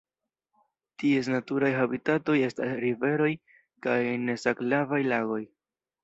Ties naturaj habitatoj estas riveroj kaj nesalakvaj lagoj.